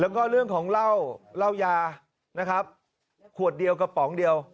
แล้วก็เรื่องของเหล้าเหล้ายานะครับขวดเดียวกระป๋องเดียว